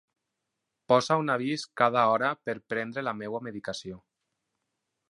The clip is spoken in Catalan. Posa un avís cada hora per prendre la meva medicació.